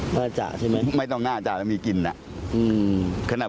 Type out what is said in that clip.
เปล่าใช่ไหมไม่ต้องน่าจะแล้วมีกลิ่นอ่ะอืมขนาด